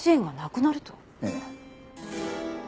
ええ。